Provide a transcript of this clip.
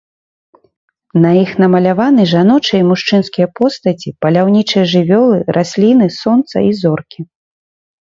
На іх намаляваны жаночыя і мужчынскія постаці, паляўнічыя, жывёлы, расліны, сонца і зоркі.